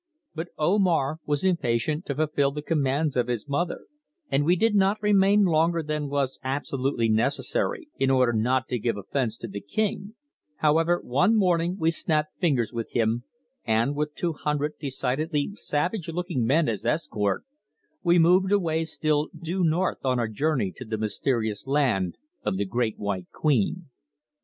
But Omar was impatient to fulfil the commands of his mother, and we did not remain longer than was absolutely necessary, in order not to give offence to the king; however, one morning we snapped fingers with him and, with two hundred decidedly savage looking men as escort, we moved away still due north on our journey to the mysterious land of the Great White Queen.